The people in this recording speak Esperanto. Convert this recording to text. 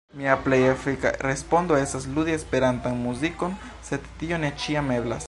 Mia plej efika respondo estas ludi Esperantan muzikon, sed tio ne ĉiam eblas.